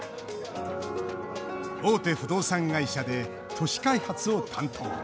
大手不動産会社で都市開発を担当。